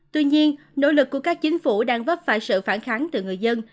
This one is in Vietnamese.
tuy nhiên nỗ lực của các chính phủ đang vấp phải sự phản kháng từ người dân